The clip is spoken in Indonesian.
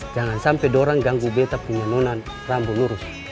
jangan sampai dorang ganggu betap punya nonan rambut lurus